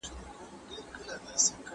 که حقوق ادا نه سي الله به ناراضه سي.